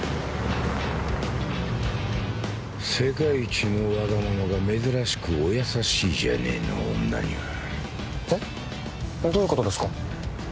世界一のワガママが珍しくお優しいじゃねえの女にはえっどういうことですか？